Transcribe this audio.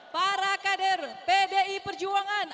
para kader pdi perjuangan